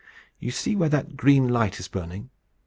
You see where that green light is burning?